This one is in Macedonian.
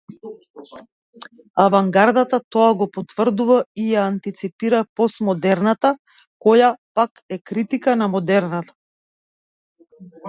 Авангардата тоа го потврдува и ја антиципира постмодерната која, пак, е критика на модерната.